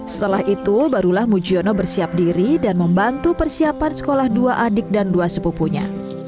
setelah itu barulah mujiono bersiap diri dan membantu persiapan sekolah dua adik dan dua sepupunya